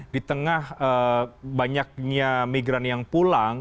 di tengah banyaknya migran yang pulang